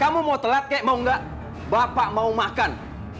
kamu mau telat kayak mau gak bapak mau makan